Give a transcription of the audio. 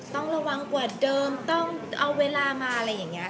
ต้องระวังกว่าเดิมต้องเอาเวลามาอะไรอย่างนี้